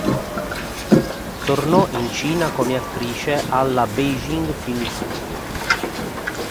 Tornò in Cina come attrice al alla Beijing Film Studio.